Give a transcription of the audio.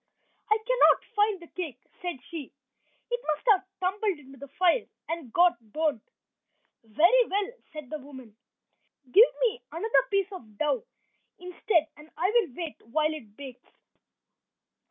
"I cannot find the cake," said she. "It must have tumbled into the fire and got burnt." "Very well," said the old woman, "give me another piece of dough instead and I will wait while it bakes."